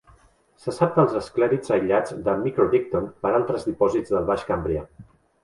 Se sap dels esclèrits aïllats de "Microdictyon" per altres dipòsits del Baix Cambrià.